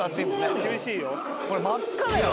ほら真っ赤だよ。